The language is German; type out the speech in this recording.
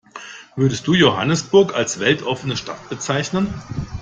Würdest du Johannesburg als weltoffene Stadt bezeichnen?